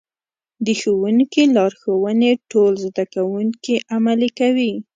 د ښوونکي لارښوونې ټول زده کوونکي عملي کوي.